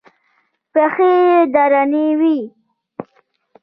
پښې يې درنې وې.